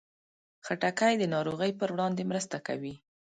خټکی د ناروغیو پر وړاندې مرسته کوي.